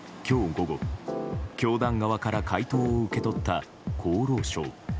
午後教団側から回答を受け取った厚労省。